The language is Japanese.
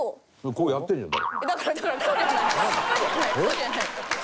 こうやってるじゃない。